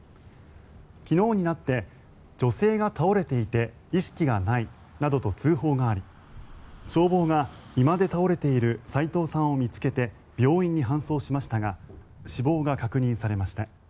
昨日になって、女性が倒れていて意識がないなどと通報があり消防が居間で倒れている齋藤さんを見つけて病院に搬送しましたが死亡が確認されました。